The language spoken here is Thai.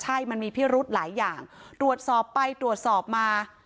ใช่มันมีพิรุธหลายอย่างตรวจสอบไปตรวจสอบมา